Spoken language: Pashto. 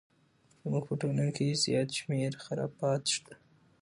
زموږ په ټولنه کې زیات شمیر خرافات شته!